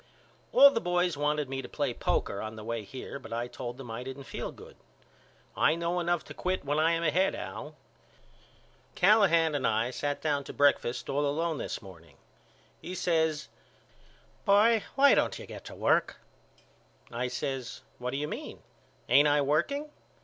All the boys wanted me to play poker on the way here but I told them I didn't feel good. I know enough to quit when I am ahead Al. Callahan and I sat down to breakfast all alone this morning. He says Boy why don't you get to work? I says What do you mean? Ain't I working?